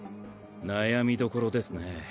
悩みどころですね。